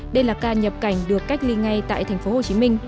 đây là ca nhập cảnh được cách ly ngay tại tp hcm